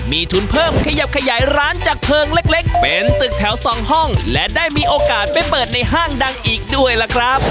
มีทุนเพิ่มขยับขยายร้านจากเพลิงเล็กเป็นตึกแถวสองห้องและได้มีโอกาสไปเปิดในห้างดังอีกด้วยล่ะครับ